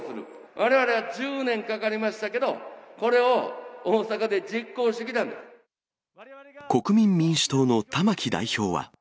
われわれは１０年かかりましたけど、国民民主党の玉木代表は。